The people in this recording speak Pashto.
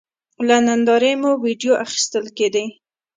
له نندارې مو وېډیو اخیستل کېدې.